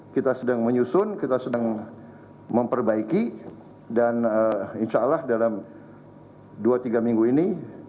kita sedang menyusun kita sedang memperbaiki dan insya allah dalam dua tiga minggu ini